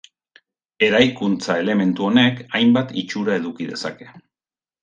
Eraikuntza elementu honek hainbat itxura eduki dezake.